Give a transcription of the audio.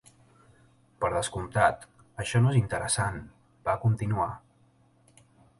Per descomptat, això no és interessant, va continuar.